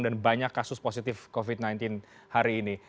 dan banyak kasus positif covid sembilan belas hari ini